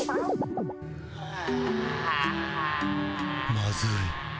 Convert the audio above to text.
まずい。